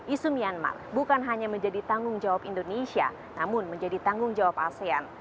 isu myanmar bukan hanya menjadi tanggung jawab indonesia namun menjadi tanggung jawab asean